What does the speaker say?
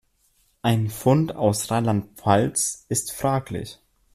Ein Fund aus Rheinland-Pfalz ist fraglich.